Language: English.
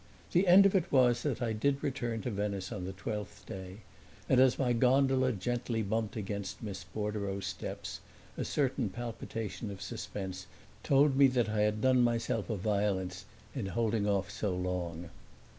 The end of it was that I did return to Venice on the twelfth day; and as my gondola gently bumped against Miss Bordereau's steps a certain palpitation of suspense told me that I had done myself a violence in holding off so long.